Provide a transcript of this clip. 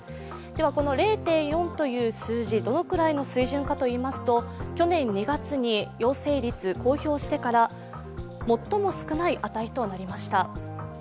この０．４という数字、どのくらいの水準かといいますと去年２月に陽性率、公表してから最も少ない値となりました。